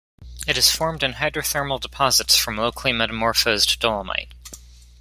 It is formed in hydrothermal deposits from locally metamorphosed dolomite.